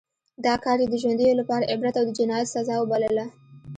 دا کار یې د ژوندیو لپاره عبرت او د جنایت سزا وبلله.